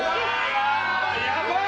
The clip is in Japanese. やばい！